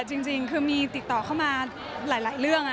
จริงคือมีติดต่อเข้ามาหลายเรื่อง